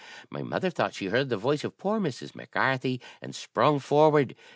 My mother thought she heard the voice of poor Mrs. Mac Carthy, and sprung forward.